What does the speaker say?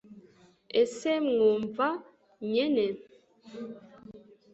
ese mwumva nyene